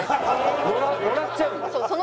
もらっちゃうの？